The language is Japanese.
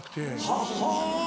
はっはぁ。